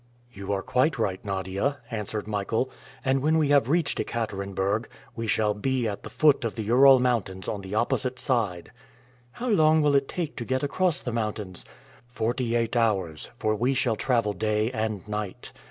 "You are quite right, Nadia," answered Michael; "and when we have reached Ekaterenburg, we shall be at the foot of the Ural Mountains on the opposite side." "How long will it take to get across the mountains?" "Forty eight hours, for we shall travel day and night.